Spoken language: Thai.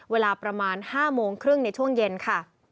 เวลาประมาณ๕โมงครึ่งในช่วงเย็นค่ะ